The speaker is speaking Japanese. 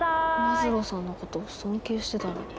マズローさんのこと尊敬してたのに。